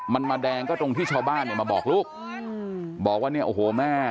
มันมาแดงก็ตรงที่ชาวบ้านเนี่ยมาบอกลูกอืมบอกว่าเนี่ยโอ้โหแม่